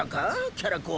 キャラ公。